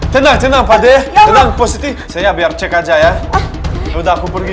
tenang tenang pada yang sedang posisi saya biar cek aja ya udah aku pergi